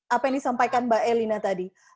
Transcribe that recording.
apa yang disampaikan mbak elina tadi